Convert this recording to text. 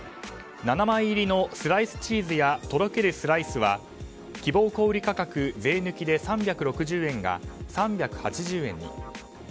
７枚入りのスライスチーズやとろけるスライスは希望小売価格税抜きで３６０円が３８０円に。